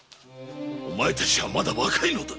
お前たちはまだ若いのだ。